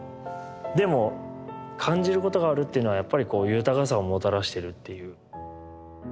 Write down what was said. でも感じることがあるっていうのはやっぱりこう豊かさをもたらしてるっていう。